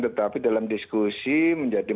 tetapi dalam diskusi menjelaskan